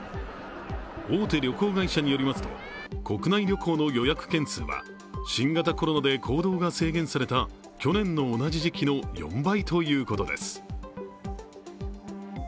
大手旅行会社によりますと、国内旅行の予約件数は新型コロナで行動が制限された去年の同じ時期の４倍ということです。